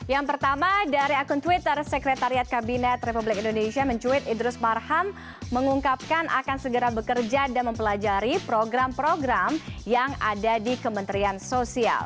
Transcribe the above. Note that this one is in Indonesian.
yang pertama dari akun twitter sekretariat kabinet republik indonesia mencuit idrus marham mengungkapkan akan segera bekerja dan mempelajari program program yang ada di kementerian sosial